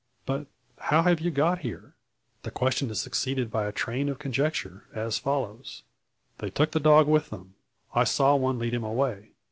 But how have you got here?" The question is succeeded by a train of conjecture, as follows: "They took the dog with them. I saw one lead him away.